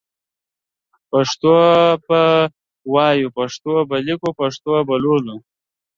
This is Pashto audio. پښتو به وايو پښتو به ليکو پښتو به لولو